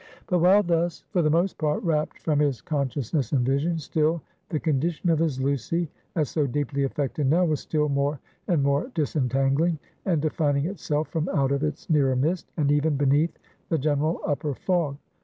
But, while thus, for the most part wrapped from his consciousness and vision, still, the condition of his Lucy, as so deeply affected now, was still more and more disentangling and defining itself from out its nearer mist, and even beneath the general upper fog.